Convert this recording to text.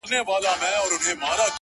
يمه دي غلام سترگي راواړوه،